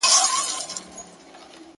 o الا وه که بلا وه د لالي د سر قضا وه!